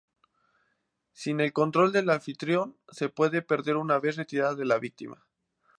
Sin el control del anfitrión se puede perder una vez retirada de la víctima.